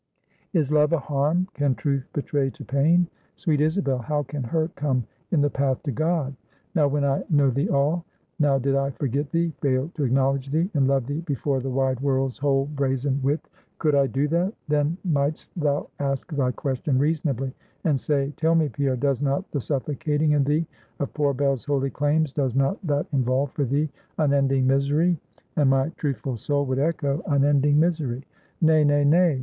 "Is Love a harm? Can Truth betray to pain? Sweet Isabel, how can hurt come in the path to God? Now, when I know thee all, now did I forget thee, fail to acknowledge thee, and love thee before the wide world's whole brazen width could I do that; then might'st thou ask thy question reasonably and say Tell me, Pierre, does not the suffocating in thee of poor Bell's holy claims, does not that involve for thee unending misery? And my truthful soul would echo Unending misery! Nay, nay, nay.